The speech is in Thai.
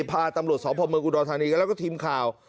พาตำรวจสพเมืองอุดรธานีแล้วก็ทีมข่าว